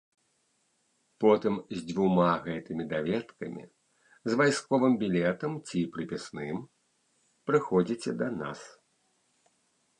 Потым з дзвюма гэтымі даведкамі, з вайсковым білетам ці прыпісным прыходзіце да нас.